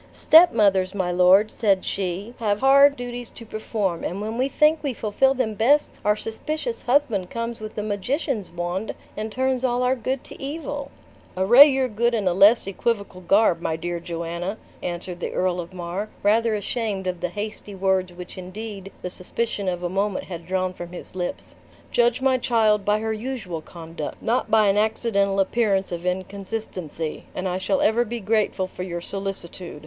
"Stepmothers, my lord," said she, "have hard duties to perform; and when we think we fulfill them best, our suspicious husband comes with a magician's wand, and turns all our good to evil." "Array your good in a less equivocal garb, my dear Joanna," answered the Earl of Mar, rather ashamed of the hasty words which indeed the suspicion of a moment had drawn from his lips; "judge my child by her usual conduct, not by an accidental appearance of inconsistency, and I shall ever be grateful for your solicitude.